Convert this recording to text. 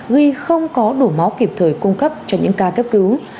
ghi không có đủ máu kịp thời cung cấp cho những ca cấp cứu